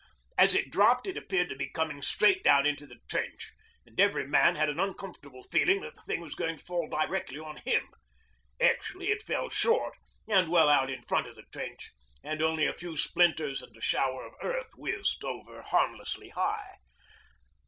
As it dropped it appeared to be coming straight down into the trench and every man had an uncomfortable feeling that the thing was going to fall directly on him. Actually it fell short and well out in front of the trench and only a few splinters and a shower of earth whizzed over harmlessly high.